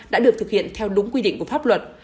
đã được thực hiện theo đúng quy định của pháp luật